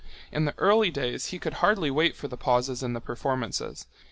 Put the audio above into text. In the early days he could hardly wait for the pauses in the performances.